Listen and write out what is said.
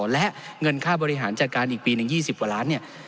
และเงินค่าบริหารจัดการอีกปีหนึ่ง๒๐กว่าล้านเนี่ย